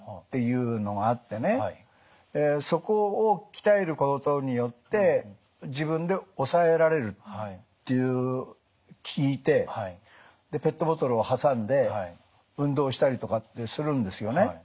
そこを鍛えることによって自分で抑えられると聞いてペットボトルを挟んで運動したりとかってするんですよね。